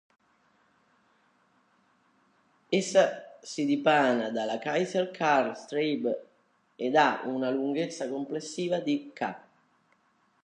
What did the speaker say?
Essa si dipana dalla Kaiser Karl Straße ed ha una lunghezza complessiva di ca.